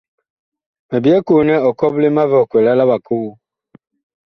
Mi byɛɛ koo nɛ ɔ kɔple má vi ɔkwɛlaa la bakogo.